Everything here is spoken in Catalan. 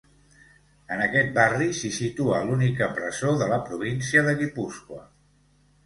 En aquest barri s'hi situa l'única presó de la província de Guipúscoa.